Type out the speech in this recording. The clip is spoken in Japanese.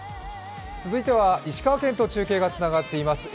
続いては石川県と中継がつながっています。